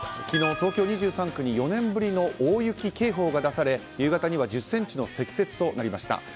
昨日、東京２３区に４年ぶりの大雪警報が出され夕方には１０ｃｍの積雪となりました。